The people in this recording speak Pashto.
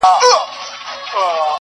• پېړۍ و سوه جګړه د تورو سپینو د روانه..